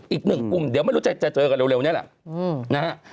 อีกหนึ่งกลุ่มเดี๋ยวไม่รู้จะเจอกันเร็วนี่แหละนะฮะ